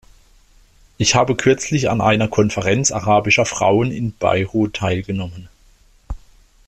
Ich habe kürzlich an einer Konferenz arabischer Frauen in Beirut teilgenommen.